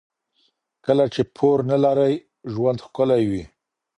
کله چې پور نه لرئ ژوند ښکلی وي.